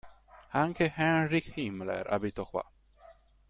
Anche Heinrich Himmler abitò qua.